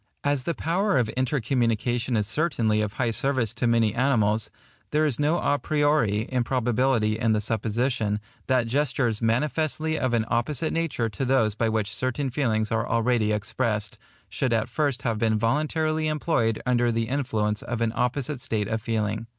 As the power of intercommunication is certainly of high service to many animals, there is no à priori improbability in the supposition, that gestures manifestly of an opposite nature to those by which certain feelings are already expressed, should at first have been voluntarily employed under the influence of an opposite state of feeling.